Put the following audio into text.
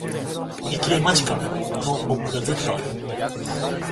売り切れ間近！のポップがずっとある